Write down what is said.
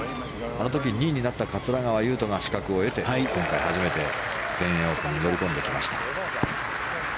あの時２位になった桂川有人が資格を得て今回初めて全英オープンに乗り込んできました。